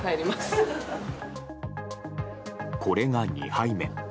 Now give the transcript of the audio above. これが２杯目。